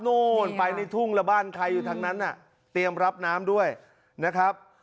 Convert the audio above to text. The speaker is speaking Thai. นู่นไปในทุ่งแล้วบ้านใครอยู่ทางนั้นน่ะเตรียมรับน้ำด้วยนะครับ